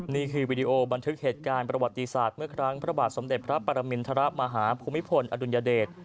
วีดีโอบันทึกเหตุการณ์ประวัติศาสตร์เมื่อครั้งพระบาทสมเด็จพระปรมินทรมาฮาภูมิพลอดุลยเดช